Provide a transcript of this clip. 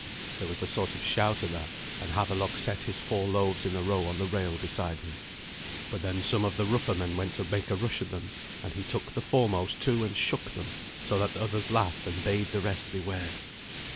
There was a sort of shout at that and Havelok set his four loaves in a row on the rail beside him. But then some of the rougher men went to make a rush at them, and he took the foremost two and shook them, so that others laughed and bade the rest beware.